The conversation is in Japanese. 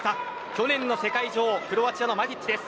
去年の世界女王のクロアチアのマティッチです。